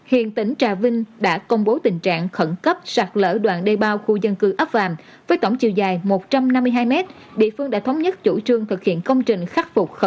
hiện tỉnh trà vinh đã công bố tình trạng khẩn cấp sạt lỡ đoàn đê bao khu dân cư ấp vàm với tổng chiều dài một trăm năm mươi hai mét địa phương đã thống nhất chủ trương thực hiện công trình khắc phục khẩu